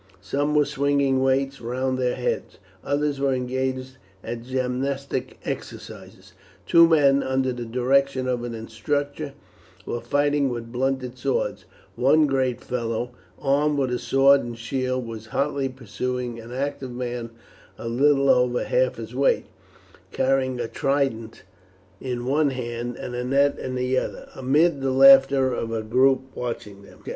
Some were swinging weights round their heads, others were engaged at gymnastic exercises. Two men, under the direction of an instructor, were fighting with blunted swords; one great fellow, armed with sword and shield, was hotly pursuing an active man of little over half his weight, carrying a trident in one hand and a net in the other, amid the laughter of a group watching them.